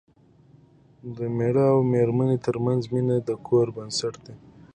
د مېړه او مېرمنې ترمنځ مینه د کور بنسټ دی.